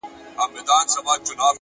عاجزي د انسان ارزښت لوړوي